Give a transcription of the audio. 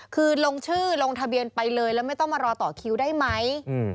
คือลงชื่อลงทะเบียนไปเลยแล้วไม่ต้องมารอต่อคิวได้ไหม